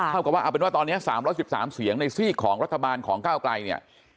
เอาเป็นว่าตอนนี้๓๑๓เสียงในซีกของรัฐบาลของเก้าไกรเนี่ย